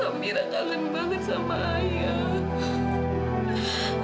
gembira kangen banget sama ayah